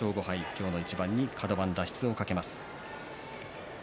今日の一番にカド番脱出を懸けます。